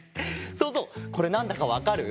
そうぞうこれなんだかわかる？